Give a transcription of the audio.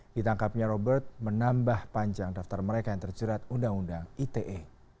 ditangkapnya robert menambah panjang daftar mereka yang terjerat undang undang ite